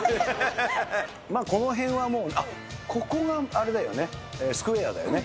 この辺はもう、あっ、ここがあれだよね、スクエアだよね。